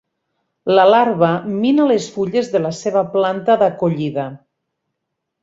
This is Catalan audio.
La larva mina les fulles de la seva planta d'acollida.